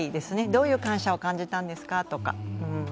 どういう感謝を感じたんですかとか。